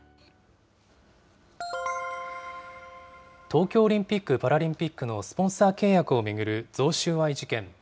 東京オリンピック・パラリンピックのスポンサー契約を巡る贈収賄事件。